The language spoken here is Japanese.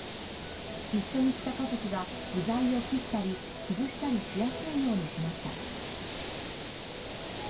一緒に来た家族が、具材を切ったり、潰したりしやすいようにしました。